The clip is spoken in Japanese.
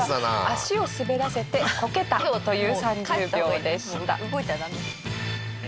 足を滑らせてコケたという３０秒でした。